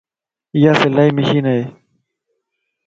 ايا سلائي مشين ائي